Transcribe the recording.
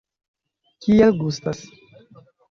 Kiel gustas?